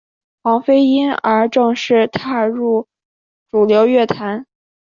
黄妃因而正式踏入主流乐坛。